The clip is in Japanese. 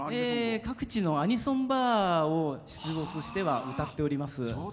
各地のアニソンバーに出没しては歌っております。